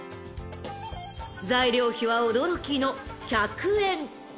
［材料費は驚きの１００円］